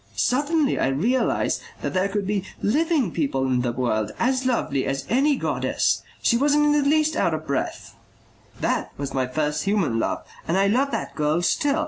Suddenly I realized that there could be living people in the world as lovely as any goddess.... She wasn't in the least out of breath. "That was my first human love. And I love that girl still.